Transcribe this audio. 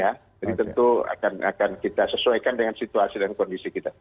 jadi tentu akan kita sesuaikan dengan situasi dan kondisi kita